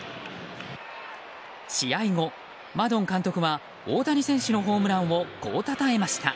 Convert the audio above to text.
試合後、マドン監督は大谷選手のホームランをこうたたえました。